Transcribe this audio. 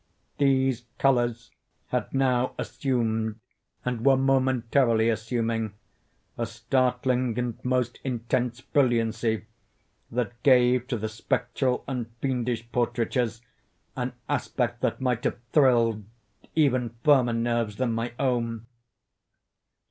These colors had now assumed, and were momentarily assuming, a startling and most intense brilliancy, that gave to the spectral and fiendish portraitures an aspect that might have thrilled even firmer nerves than my own.